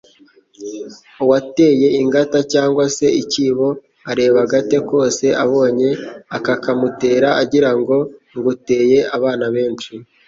uwateye ingata cyangwa se ikibo, areba agate kose abonye akakamutera agira ngo Nguteye abana benshi